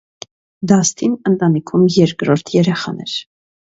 Դասթին ընտանիքում երկրորդ երեխան էր։